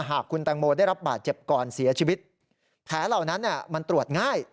หากคุณแตงโมได้รับบาดเจ็บก่อนเสียชีวิตแผลเหล่านั้นมันตรวจง่าย